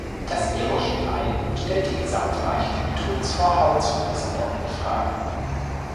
Das irische "Nein" stellt die gesamte Architektur des Vorhabens von Lissabon in Frage.